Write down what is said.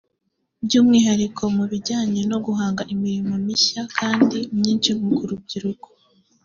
by’umwihariko mu bijyanye no guhanga imirimo mishya kandi myinshi ku rubyiruko